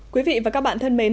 quý vị và các bạn thân mến